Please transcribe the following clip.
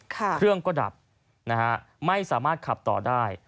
เครื่องก็ดับนะฮะไม่สามารถขับต่อได้